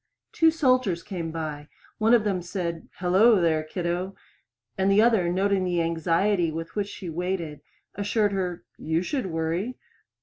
Two soldiers came by; one of them said, "Hello, there, kiddo," and the other, noting the anxiety with which she waited, assured her, "You should worry."